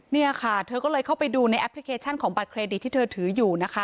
เนี่ยค่ะเธอก็เลยเข้าไปดูในแอปพลิเคชันของบัตรเครดิตที่เธอถืออยู่นะคะ